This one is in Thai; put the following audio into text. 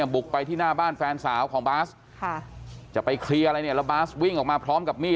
บุกไปที่หน้าบ้านแฟนสาวของบาสจะไปเคลียร์อะไรเนี่ยแล้วบาสวิ่งออกมาพร้อมกับมีด